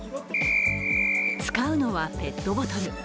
使うのはペットボトル。